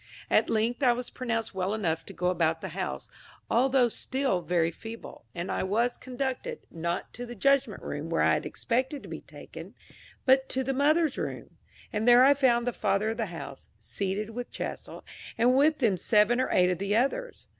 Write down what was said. At length I was pronounced well enough to go about the house, although still very feeble, and I was conducted, not to the judgment room, where I had expected to be taken, but to the Mother's Room; and there I found the father of the house, seated with Chastel, and with them seven or eight of the others.